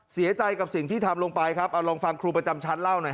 เสียใจกับสิ่งที่ทำลงไปครับเอาลองฟังครูประจำชั้นเล่าหน่อยฮ